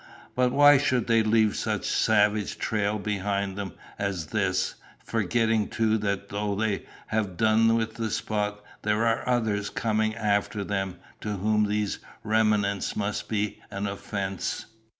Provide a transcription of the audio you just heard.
But why should they leave such a savage trail behind them as this, forgetting too that though they have done with the spot, there are others coming after them to whom these remnants must be an offence?